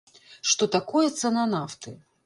Што такое цана нафты?